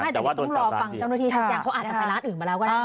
แต่ว่าต้องรอฟังเจ้าหน้าที่ทุกอย่างเขาอาจจะไปร้านอื่นมาแล้วก็ได้